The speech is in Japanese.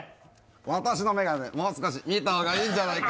私の眼鏡でもう少し見た方がいいんじゃないか。